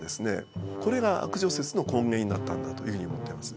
これが悪女説の根源になったんだというふうに思ってます。